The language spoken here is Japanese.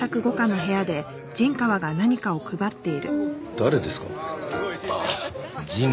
誰ですか？